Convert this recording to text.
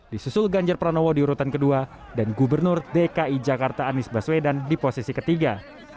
disusul ganjar pranowo di urutan kedua dan gubernur dki jakarta anies baswedan di posisi ketiga